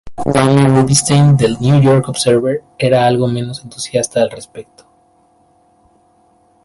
Dana Rubinstein del "New York Observer" era algo menos entusiasta al respecto.